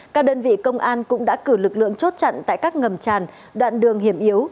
các đơn vị công an cũng đã cử lực lượng chốt chặn tại các ngầm tràn đoạn đường hiểm yếu